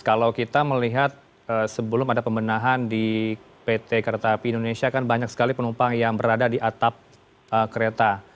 kalau kita melihat sebelum ada pembenahan di pt kereta api indonesia kan banyak sekali penumpang yang berada di atap kereta